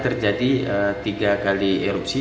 terjadi tiga kali erupsi